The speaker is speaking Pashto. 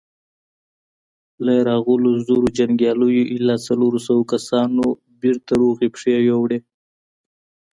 له راغلو زرو جنګياليو ايله څلورو سوو کسانو بېرته روغي پښې يووړې.